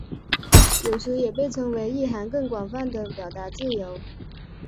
有时也被称为意涵更广泛的表达自由。